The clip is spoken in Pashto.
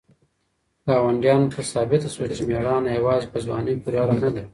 ګاونډیانو ته ثابته شوه چې مېړانه یوازې په ځوانۍ پورې اړه نه لري.